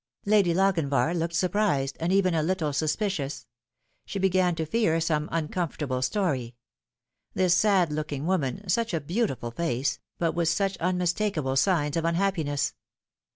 Lady Lochinvar looked surprised, and even a little suspi cious. She began to fear some uncomfortable story. This sad looking woman such a beautiful face, but with such unmis takable signs of unhappiness.